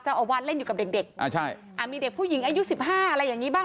เจ้าอาวาสเล่นอยู่กับเด็กมีเด็กผู้หญิงอายุ๑๕อะไรอย่างนี้บ้าง